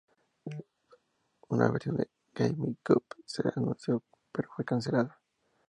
Una versión de GameCube se anunció, pero fue cancelada.